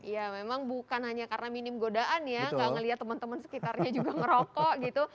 ya memang bukan hanya karena minim godaan ya nggak ngeliat teman teman sekitarnya juga ngerokok gitu